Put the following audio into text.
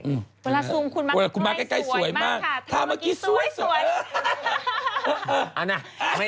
เวลาซูมคุณมาใกล้สวยมากค่ะคุณมาใกล้สวยมากค่ะ